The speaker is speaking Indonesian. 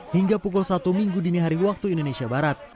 hingga pukul satu minggu dini hari waktu indonesia barat